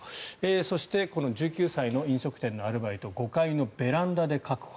そして１９歳の飲食店のアルバイト５階のベランダで確保。